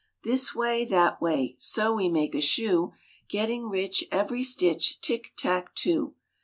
This way, that way, So we make a shoe; Getting rich every stitch, Tick tack too!"